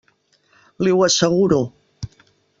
Li ho asseguro.